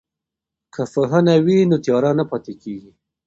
که پوهنه وي نو تیاره نه پاتیږي.